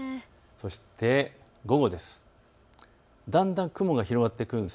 そして午後です。